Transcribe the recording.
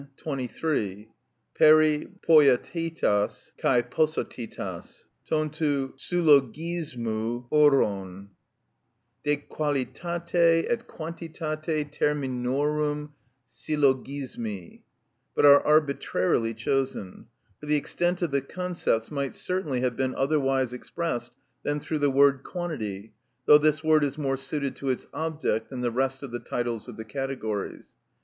23 (περι ποιοτητος και ποσοτητος των του συλλογισμου ὁρων: de qualitate et quantitate terminorum syllogismi), but are arbitrarily chosen; for the extent of the concepts might certainly have been otherwise expressed than through the word quantity, though this word is more suited to its object than the rest of the titles of the categories.